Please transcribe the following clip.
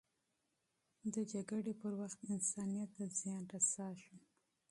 د جګړې پر مهال، انسانیت ته زیان رسیږي.